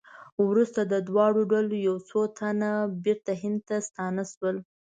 وروسته د دواړو ډلو یو څو تنه بېرته هند ته ستانه شول.